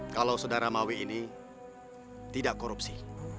kalau sudara mawi ini tidak korupsi